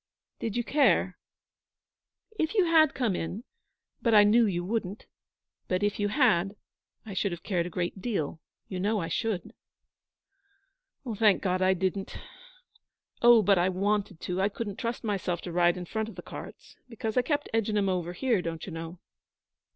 'Did you care?' 'If you had come in but I knew you wouldn't but if you had, I should have cared a great deal. You know I should.' 'Thank God I didn't! Oh, but I wanted to! I couldn't trust myself to ride in front of the carts, because I kept edging 'em over here, don't you know?'